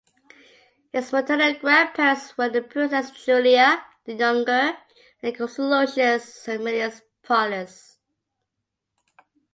His maternal grandparents were the princess Julia the Younger and consul Lucius Aemilius Paullus.